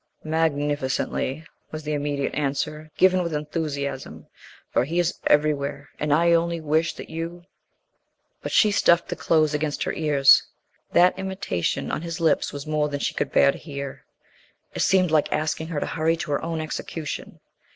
"Magnificently," was the immediate answer, given with enthusiasm, "for He is everywhere. And I only wish that you " But she stuffed the clothes against her ears. That invitation on his lips was more than she could bear to hear. It seemed like asking her to hurry to her own execution.